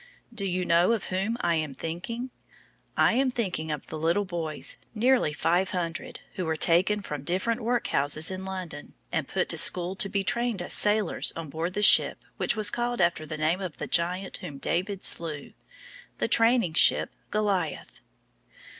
Do you know of whom I am thinking? I am thinking of the little boys, nearly five hundred, who were taken from different workhouses in London, and put to school to be trained as sailors on board the ship which was called after the name of the giant whom David slew the training ship Goliath.